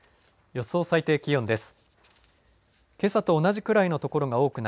予想最高気温です。